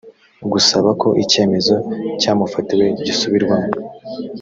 gusaba ko icyemezo cyamufatiwe gisubirwamo